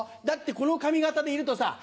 だってこの髪形でいるとさ